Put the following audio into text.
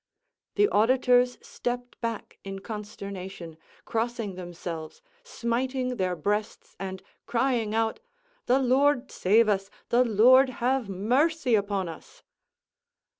The auditors stept back in consternation, crossing themselves, smiting their breasts, and crying out, "The Lord save us! The Lord have mercy upon us!"